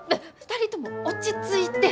２人とも落ち着いて。